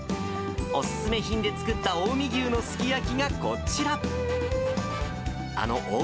お勧め品で作った近江牛のすき焼きが、こちら。